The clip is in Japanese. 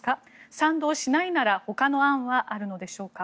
賛同しないならほかの案はあるのでしょうか？